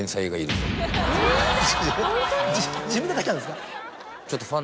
えっ自分で書いたんですか？